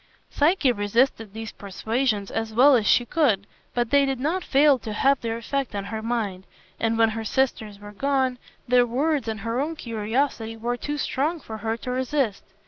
Psyche resisted these persuasions as well as she could, but they did not fail to have their effect on her mind, and when her sisters were gone, their words and her own curiosity were too strong for her to resist.